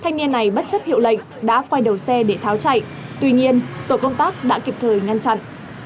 thanh niên này bất chấp hiệu lệnh đã quay đầu xe để tháo chạy tuy nhiên tổ công tác đã kịp thời ngăn chặn